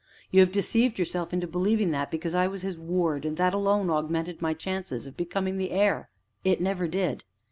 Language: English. You have deceived yourself into believing that because I was his ward that alone augmented my chances of becoming the heir; it never did.